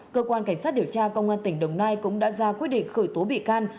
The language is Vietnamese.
cơ quan cảnh sát điều tra công an tỉnh đồng nai cũng đã ra quyết định khởi tố bị can